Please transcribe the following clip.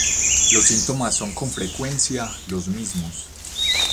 Los síntomas son con frecuencia los mismos.